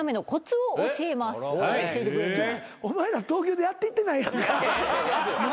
お前ら東京でやっていってない。